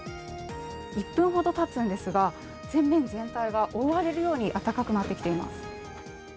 １分ほどたつんですが、全面全体が覆われるように暖かくなってきています。